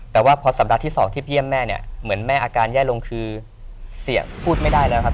แต่ว่าพอสัปดาห์ที่๒ที่เยี่ยมแม่เนี่ยเหมือนแม่อาการแย่ลงคือเสียงพูดไม่ได้แล้วครับ